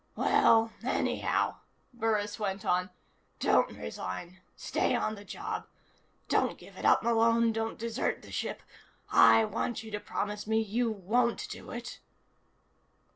"Well, anyhow," Burris went on, "don't resign. Stay on the job. Don't give it up, Malone. Don't desert the ship. I want you to promise me you won't do it."